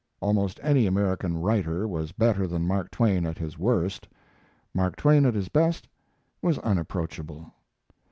Almost any American writer was better than Mark Twain at his worst: Mark Twain at his best was unapproachable.